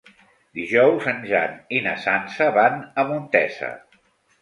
Dijous en Jan i na Sança van a Montesa.